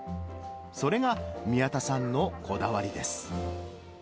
それが、宮田さんのこだわりです。